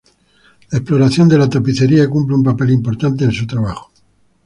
La exploración de la tapicería cumple un papel importante en su trabajo.